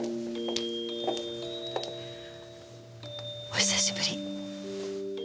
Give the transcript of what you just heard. お久しぶり。